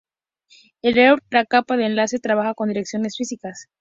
En Ethernet, la capa de enlace trabaja con direcciones físicas.